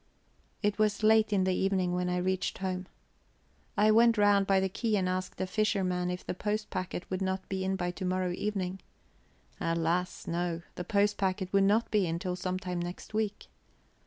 It was late in the evening when I reached home. I went round by the quay and asked a fisherman if the post packet would not be in by to morrow evening. Alas, no, the post packet would not be in till some time next week.